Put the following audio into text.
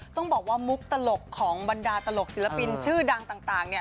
ต้องบอกว่ามุกตลกของบรรดาตลกศิลปินชื่อดังต่างเนี่ย